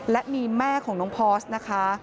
และมีแม่ของน้องพอร์สนะคะ